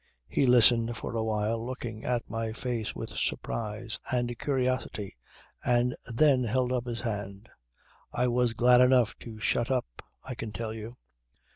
He listened for a while looking at my face with surprise and curiosity and then held up his hand. I was glad enough to shut up, I can tell you.